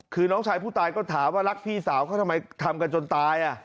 คือน้องชายผู้ตายก็ถามว่ารักพี่สาวเขาทำไมทำกันจนตาย